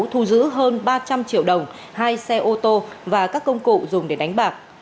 thu giữ hơn ba trăm linh triệu đồng hai xe ô tô và các công cụ dùng để đánh bạc